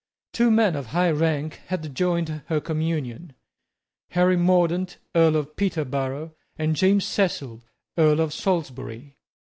Two men of high rank had joined her communion; Henry Mordaunt, Earl of Peterborough, and James Cecil, Earl of Salisbury.